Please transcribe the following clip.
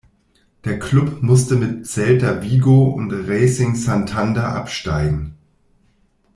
Der Klub musste mit Celta Vigo und Racing Santander absteigen.